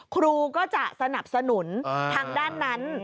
ครูก็จะสนับสนุนทางด้านนั้น